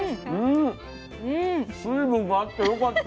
水分があってよかった。